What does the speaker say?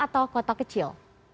atau kota kecil